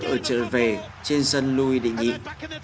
ở trận về trên sân louis denis